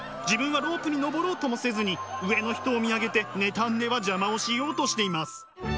自分はロープに登ろうともせずに上の人を見上げて妬んでは邪魔をしようとしています。